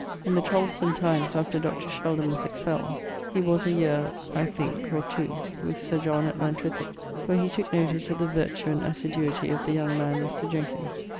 In the troublesome times after Dr. Sheldon was expelled, he was a yeare (I thinke) or two with Sir John at Llantrithid, where he tooke notice of the vertue and assiduity of the young man Mr. Jenkins.